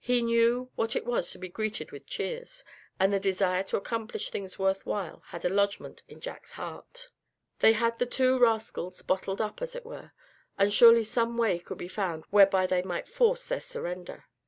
He knew what it was to be greeted with cheers; and the desire to accomplish things worth while had a lodgment in Jack's heart. They had the two rascals bottled up, as it were; and surely some way could be found whereby they might force their surrender.